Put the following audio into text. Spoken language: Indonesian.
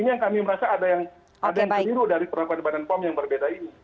ini yang kami merasa ada yang ada yang kebiru dari beberapa badan pom yang berbeda ini